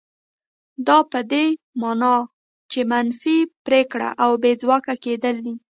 دا په دې مانا چې منفي پرېکړه او بې ځواکه کېدل دي.